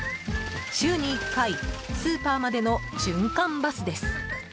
週に１回スーパーまでの循環バスです。